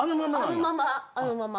あのままあのまま。